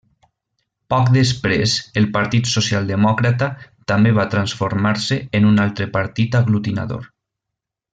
Poc després el partit Socialdemòcrata també va transformar-se en un altre partit aglutinador.